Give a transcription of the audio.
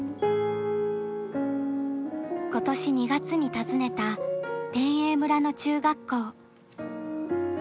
今年２月に訪ねた天栄村の中学校。